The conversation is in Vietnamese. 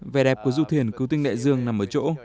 vẻ đẹp của du thuyền cứu tinh đại dương nằm ở chỗ